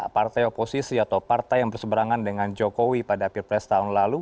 partai oposisi atau partai yang berseberangan dengan jokowi pada pilpres tahun lalu